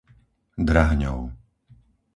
Drahňov